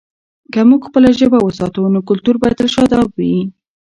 که موږ خپله ژبه وساتو، نو کلتور به تل شاداب وي.